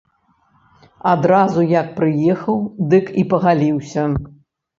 Адразу як прыехаў, дык і пагаліўся.